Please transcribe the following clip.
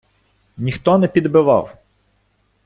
- Ніхто не підбивав.